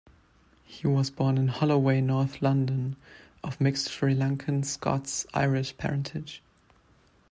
He was born in Holloway, North London, of mixed Sri Lankan-Scots-Irish parentage.